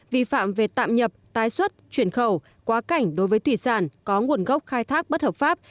vi phạm về tạm nhập tái xuất chuyển khẩu quá cảnh đối với thủy sản có nguồn gốc khai thác bất hợp pháp